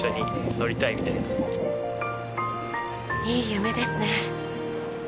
いい夢ですね。